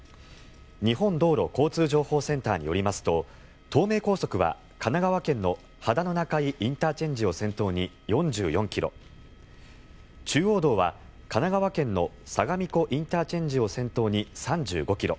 日本道路交通情報センターによりますと東名高速は神奈川県の秦野中井ＩＣを先頭に４４ｋｍ中央道は神奈川県の相模湖ＩＣを先頭に３４ｋｍ。